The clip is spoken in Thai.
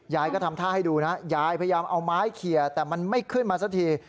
ก็ทำท่าให้ดูนะยายพยายามเอาไม้เคลียร์แต่มันไม่ขึ้นมาสักที